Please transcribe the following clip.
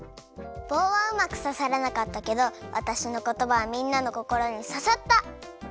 ぼうはうまくささらなかったけどわたしのことばはみんなのこころにささったってことだね。